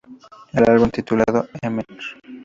El álbum titulado "Mr.